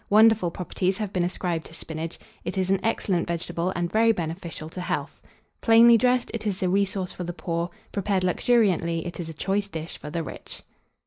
Wonderful properties have been ascribed to spinach. It is an excellent vegetable, and very beneficial to health. Plainly dressed, it is a resource for the poor; prepared luxuriantly, it is a choice dish for the rich.